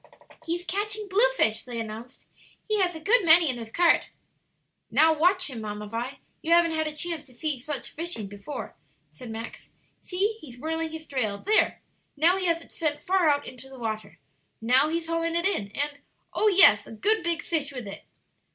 "He's catching blue fish," they announced; "he has a good many in his cart." "Now, watch him, Mamma Vi; you haven't had a chance to see just such fishing before," said Max. "See, he's whirling his drail; there! now he has sent it far out into the water. Now he's hauling it in, and oh yes, a good big fish with it."